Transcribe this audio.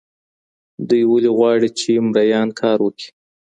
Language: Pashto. دوی ولي غواړي چي مریان کار وکړي؟